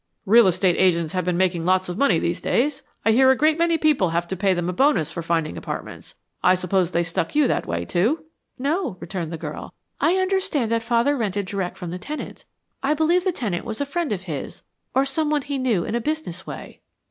"Real estate agents have been making lots of money these days. I hear a great many people have to pay them a bonus for finding apartments. I suppose they stuck you that way, too." "No," returned the girl. "I understand that father rented direct from the tenant. I believe the tenant was a friend of his, or someone he knew in a business way."